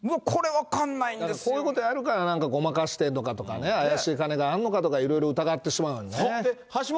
こういうことをやるから、なんかごまかしてるのかとか、怪しい金があるのかとか、いろいろ疑ってしまうんですよね。